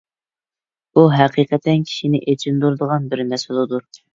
بۇ ھەقىقەتەن كىشىنى ئېچىندۇرىدىغان بىر مەسىلىدۇر.